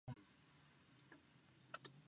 La base es vinculada a la Casa militar.